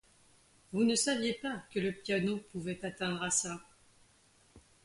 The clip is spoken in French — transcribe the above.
Vous ne saviez pas que le piano pouvait atteindre à ça.